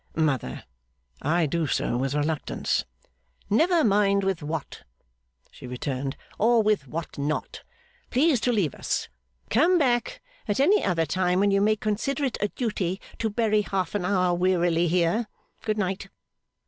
'Mother, I do so with reluctance.' 'Never mind with what,' she returned, 'or with what not. Please to leave us. Come back at any other time when you may consider it a duty to bury half an hour wearily here. Good night.